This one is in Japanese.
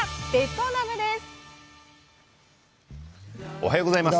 おはようございます。